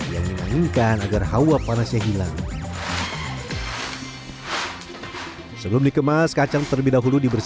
yang dimangingkan agar hawa panasnya hilang dan tidak terlalu panas